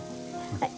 はい